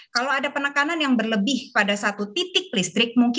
kalau ada penekanan yang berlebih pada satu titik listrik